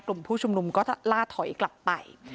กลุ่มผู้ชุมนุมก็ล่าถอยกลับไป